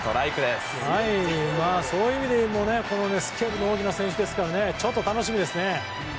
そういう意味でもスケールの大きな選手ですから楽しみですよね。